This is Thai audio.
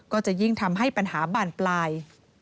ก็จะยิ่งทำให้ปัญหาบานปลาย